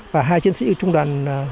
và hai chiến sĩ trung đoàn